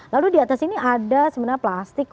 lalu di atas ini ada sebenarnya plastik